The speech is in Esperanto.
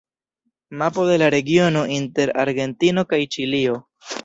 Mapo de la regiono inter Argentino kaj Ĉilio.